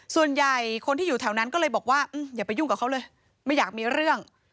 ส่วนใหญ่คนที่อยู่แถวนั้นก็เลยบอกว่าอย่าไปยุ่งกับเขาเลยไม่อยากมีเรื่อง